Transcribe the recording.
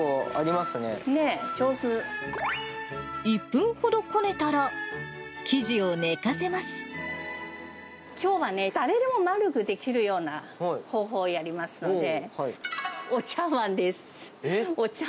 １分ほどこねたら、生地を寝きょうはね、誰でも丸くできるような方法をやりますので。